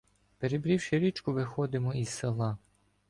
Перебрівши річку, виходимо із села.